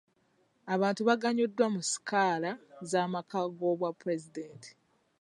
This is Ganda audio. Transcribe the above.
Abantu baganyuddwa mu sikaala z'amaka g'obwa pulezidenti.